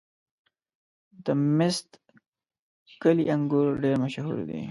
د میست کلي انګور ډېر مشهور دي.